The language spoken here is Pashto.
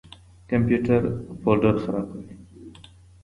کمپيوټر فولډر خراپوي.